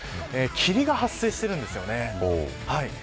霧が発生しているんです。